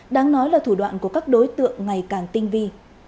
đáng nói là thủ đoạn của các đối tượng ngày càng tinh vi